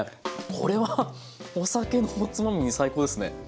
これはお酒のおつまみに最高ですね。